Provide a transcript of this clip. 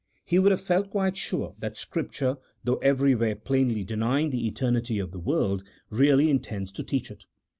He would have felt quite sure that Scripture, though •everywhere plainly denying the eternity of the world, really intends to teach it.